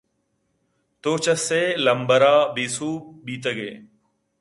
تو چہ سے لمبر ءَ بے سوب بیتگ ئے۔